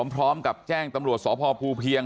พร้อมกับแจ้งตำรวจสพภูเพียง